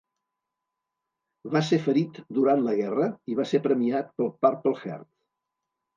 Va ser ferit durant la guerra i va ser premiat pel Purple Heart.